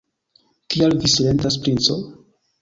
Kial vi silentas, princo?